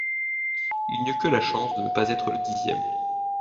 Il n'eut que la chance de ne pas être le dixième.